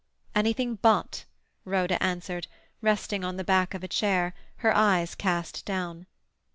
"Anything but," Rhoda answered, resting on the back of a chair, her eyes cast down.